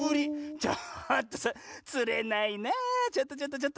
ちょっとそれつれないなちょっとちょっとちょっと。